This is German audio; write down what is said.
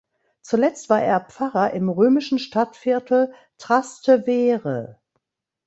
Zuletzt war er Pfarrer im römischen Stadtviertel Trastevere.